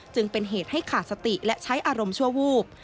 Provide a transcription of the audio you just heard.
จึงเป็นเหตุให้ขาดสติและใช้อารมณ์ชั่ววูบ